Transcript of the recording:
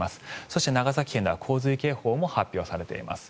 そして、長崎県では洪水警報も発表されています。